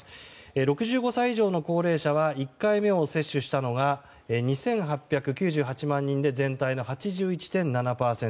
６５歳以上の高齢者は１回目を接種したのが２８９８万人で全体の８１．７％。